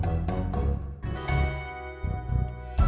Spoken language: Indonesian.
jangan lupa subscribe ya